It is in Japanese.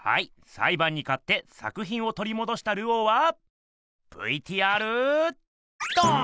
さいばんにかって作品を取り戻したルオーはＶＴＲどん！